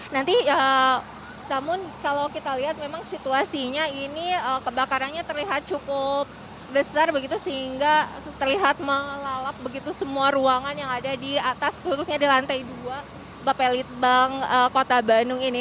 nanti namun kalau kita lihat memang situasinya ini kebakarannya terlihat cukup besar begitu sehingga terlihat melalap begitu semua ruangan yang ada di atas khususnya di lantai dua bapelitbang kota bandung ini